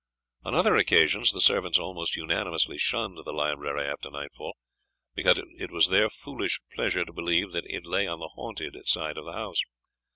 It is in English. On other occasions, the servants almost unanimously shunned the library after nightfall, because it was their foolish pleasure to believe that it lay on the haunted side of the house.